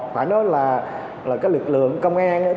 phải nói là các lực lượng công an